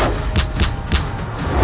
aku akan terus memburumu